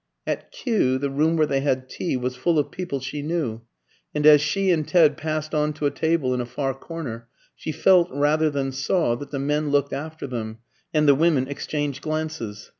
At Kew the room where they had tea was full of people she knew; and as she and Ted passed on to a table in a far corner, she felt, rather than saw, that the men looked after them, and the women exchanged glances.